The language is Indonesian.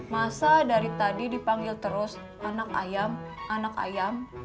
masa dari tadi dipanggil terus anak ayam anak ayam